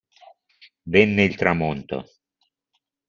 Venne il tramonto.